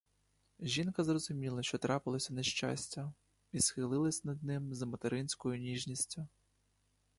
Жінка зрозуміла, що трапилось нещастя, і схилилась над ним з материнською ніжністю.